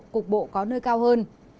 cục bộ có nơi cao hơn